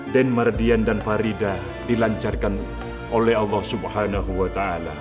den mardian dan farida dilancarkan oleh allah swt